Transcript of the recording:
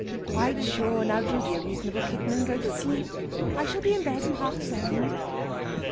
"Quite sure. Now, do be a reasonable kitten, and go to sleep; I shall be in bed in half a second."